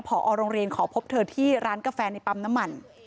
พอโรงเรียนขอพบเธอที่ร้านกาแฟในปั๊มน้ำมัน